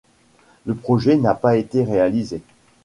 Le projet n'a pas été réalisé.